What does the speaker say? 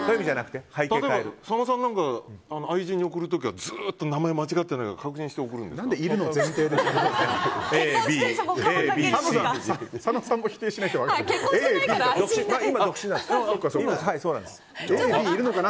佐野さん、愛人に送る時はずっと名前間違ってないか確認して送るんですか？